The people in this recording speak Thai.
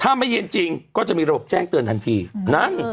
ถ้าไม่เย็นจริงก็จะมีระบบแจ้งเตือนทันทีนั่น